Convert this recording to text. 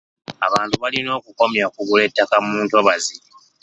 Abantu balina okukomya okugula ettaka mu ntobazi.